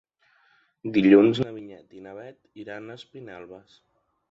Dilluns na Vinyet i na Bet iran a Espinelves.